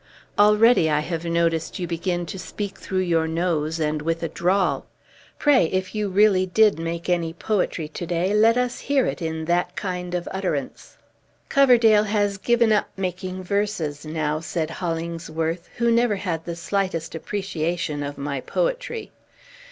Already I have noticed you begin to speak through your nose, and with a drawl. Pray, if you really did make any poetry to day, let us hear it in that kind of utterance!" "Coverdale has given up making verses now," said Hollingsworth, who never had the slightest appreciation of my poetry.